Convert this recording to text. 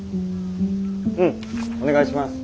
うんお願いします。